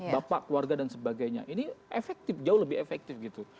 bapak keluarga dan sebagainya ini efektif jauh lebih efektif gitu